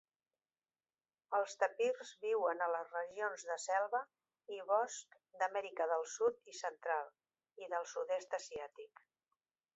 Els tapirs viuen a les regions de selva i bosc d'Amèrica del Sud i Central i del Sud-est Asiàtic.